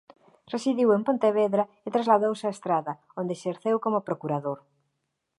Residiu en Pontevedra e trasladouse á Estrada onde exerceu como procurador.